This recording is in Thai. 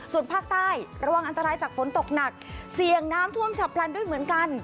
ส่วนภาคใต้ระวังอันตรายจากฝนตกหนักเสี่ยงน้ำท่วมฉับพลันด้วยเหมือนกัน